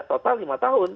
total lima tahun